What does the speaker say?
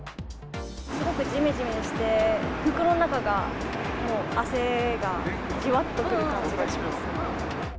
すごくじめじめして、服の中がもう汗がじわっとくる感じがしますね。